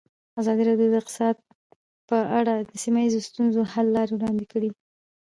ازادي راډیو د اقتصاد په اړه د سیمه ییزو ستونزو حل لارې راوړاندې کړې.